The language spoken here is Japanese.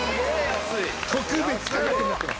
特別価格になってます。